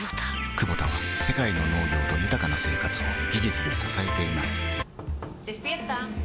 クボタは世界の農業と豊かな生活を技術で支えています起きて。